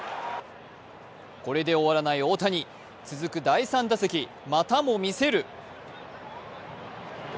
これで終わらない大谷続く第３打席、またもみせる。